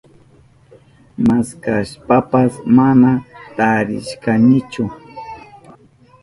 Maskashpapas mana tarishkanichu.